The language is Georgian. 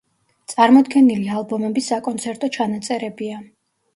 წარმოდგენილი ალბომები საკონცერტო ჩანაწერებია.